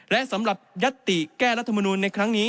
และสำหรับยัตติแก้รัฐมนูลในครั้งนี้